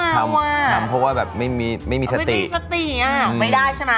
ทำเพราะว่าแบบไม่มีสติไม่ได้ใช่ไหม